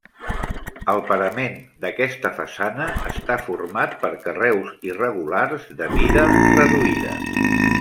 El parament d'aquesta façana està format per carreus irregulars de mida reduïda.